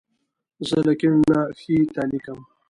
زه له کیڼ نه ښي ته لیکم.